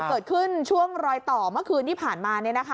เกิดขึ้นช่วงรอยต่อเมื่อคืนที่ผ่านมา